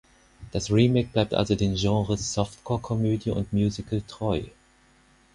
Das Remake bleibt also den Genres Softcore-Komödie und Musical treu.